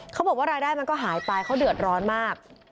เขาบอกว่ารายได้มันก็หายไปเขาเดือดร้อนมาก